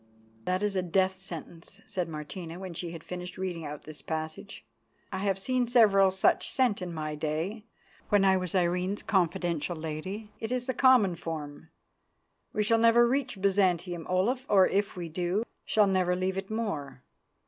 "That is a death sentence," said Martina, when she had finished reading out this passage. "I have seen several such sent in my day, when I was Irene's confidential lady. It is the common form. We shall never reach Byzantium, Olaf, or, if we do, we shall never leave it more."